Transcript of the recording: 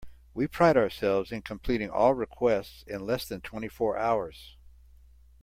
We pride ourselves in completing all requests in less than twenty four hours.